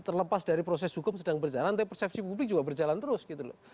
terlepas dari proses hukum sedang berjalan tapi persepsi publik juga berjalan terus gitu loh